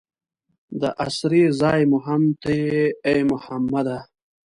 د اسرې ځای مو هم ته یې ای محمده.